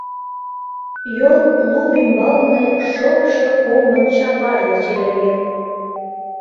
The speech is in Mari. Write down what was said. Йол лум ӱмбалне шогышо комбын чапажла чеверген.